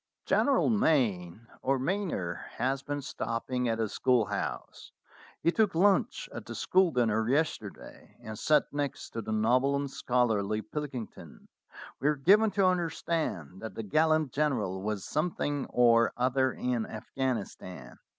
"General Mayne (or Mayner) has been stopping at the schoolhouse. He took lunch at the school dinner yesterday, and sat next to the noble and scholarly Pilkington. We are given to understand that the gallant general was something or other in Afghanis tan.